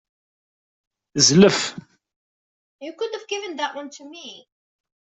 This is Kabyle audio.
Zlef.